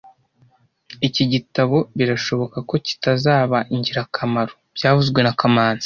Iki gitabo birashoboka ko kitazaba ingirakamaro byavuzwe na kamanzi